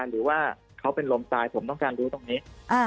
หรือว่าเขาเป็นลมตายผมต้องการรู้ตรงนี้